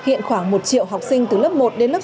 hiện khoảng một triệu học sinh từ lớp một đến lớp chín